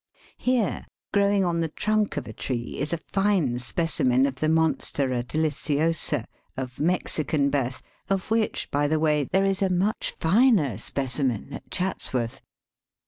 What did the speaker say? Here, grow ing on the trunk of a tree, is a fine specimen of the Monstera deliciosa^ of Mexican birth, of which, by the way, there is a much finer specimen at Chatsworth.